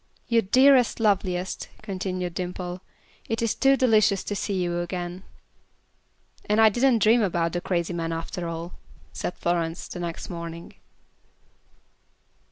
"You dearest, loveliest," continued Dimple; "it is too delicious to see you again." "And I didn't dream about the crazy man after all," said Florence, the next morning.